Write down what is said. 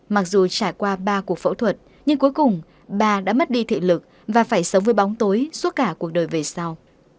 mặc dù trải qua ba cuộc phẫu thuật nhưng cuối cùng bà đã mất đi thị lực và phải sống với bóng tối suốt cả cuộc đời về sau